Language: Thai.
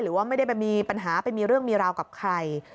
หรือว่าไม่ได้ไปมีปัญหาไปมีเรื่องมีราวกับใคร